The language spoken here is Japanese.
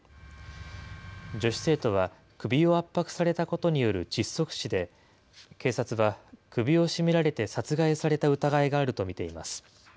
女子生徒は、首を圧迫されたことによる窒息死で、警察は、首を絞められて殺害された疑いがあると見ています。